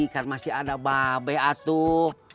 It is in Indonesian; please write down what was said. kan masih ada babay atuh